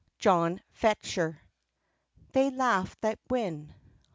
JOHN FETCHER. "They laugh that win."